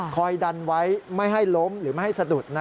ดันไว้ไม่ให้ล้มหรือไม่ให้สะดุด